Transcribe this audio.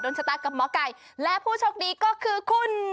ชะตากับหมอไก่และผู้โชคดีก็คือคุณ